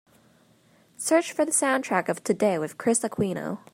Search for the soundtrack of Today with Kris Aquino